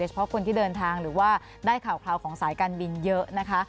เพราะคนที่เดินทางหรือว่าได้ข่าวของสายการบินเยอะนะคะ